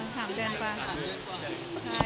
สามเดือนกว่าค่ะ